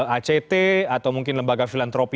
act atau mungkin lembaga filantropi